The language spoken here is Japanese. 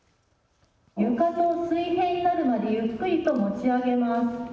床と水平になるまでゆっくりと持ち上げます。